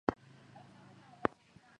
Saidia leo kesho bata kusaidia na weye